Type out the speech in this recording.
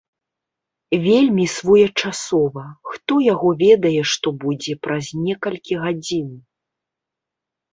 Вельмі своечасова, хто яго ведае, што будзе праз некалькі гадзін.